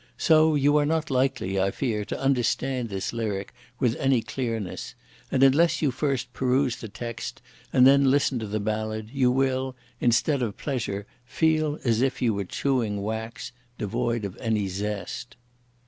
So you are not likely, I fear, to understand this lyric with any clearness; and unless you first peruse the text and then listen to the ballad, you will, instead of pleasure, feel as if you were chewing wax (devoid of any zest)."